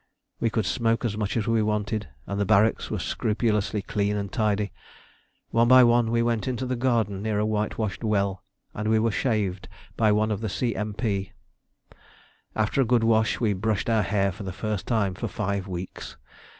We could smoke as much as we wanted, and the barracks were scrupulously clean and tidy. One by one we went into the garden near a whitewashed well, and were shaved by one of the C.M.P. After a good wash we brushed our hair for the first time for five weeks.